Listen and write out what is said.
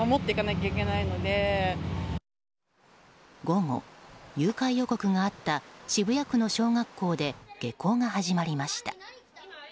午後、誘拐予告があった渋谷区の小学校で下校が始まりました。